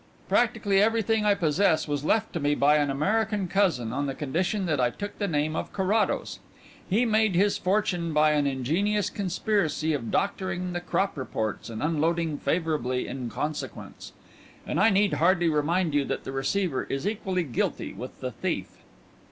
"Practically everything I possess was left to me by an American cousin, on the condition that I took the name of Carrados. He made his fortune by an ingenious conspiracy of doctoring the crop reports and unloading favourably in consequence. And I need hardly remind you that the receiver is equally guilty with the thief."